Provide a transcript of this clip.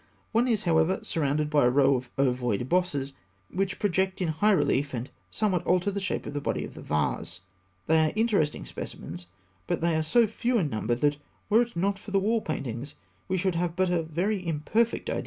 One is, however, surrounded by a row of ovoid bosses (fig. 286), which project in high relief, and somewhat alter the shape of the body of the vase. These are interesting specimens; but they are so few in number that, were it not for the wall paintings, we should have but a very imperfect idea of the skill of the Egyptian goldsmiths.